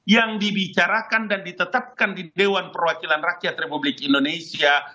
yang dibicarakan dan ditetapkan di dewan perwakilan rakyat republik indonesia